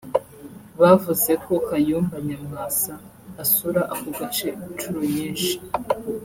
Bavuze ko Kayumba Nyamwasa asura ako gace inshuro nyinshi